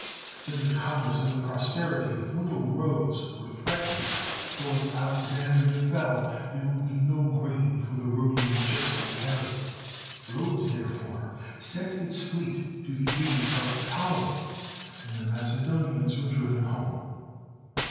Then the commerce and the prosperity of little Rhodes were threatened, for if Alexandria fell, there would be no grain for the Rhodian ships to carry. Rhodes, therefore, sent its fleet to the aid of Ptolemy, and the Macedonians were driven home.